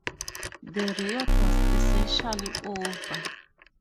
The riot was essentially over.